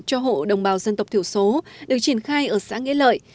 cho hộ đồng bào dân tộc thiểu số được triển khai ở xã nghĩa lợi